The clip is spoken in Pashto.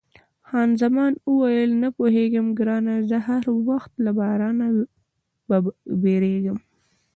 خان زمان وویل، نه پوهېږم ګرانه، زه هر وخت له بارانه بیریږم.